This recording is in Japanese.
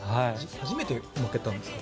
初めて負けたんですか。